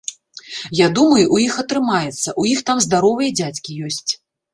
Я думаю, у іх атрымаецца, у іх там здаровыя дзядзькі ёсць.